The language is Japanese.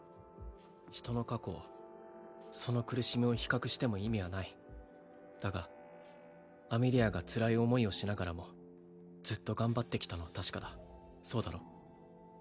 人の過去をその苦しみを比較しても意味はないだがアメリアがつらい思いをしながらもずっと頑張ってきたのは確かだそうだろう？